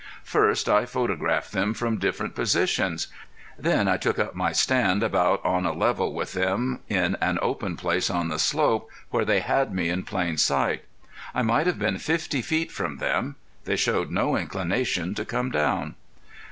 First I photographed them from different positions; then I took up my stand about on a level with them in an open place on the slope where they had me in plain sight. I might have been fifty feet from them. They showed no inclination to come down.